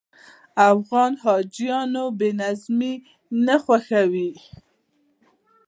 افغان حاجیان بې نظمي نه خوښوي.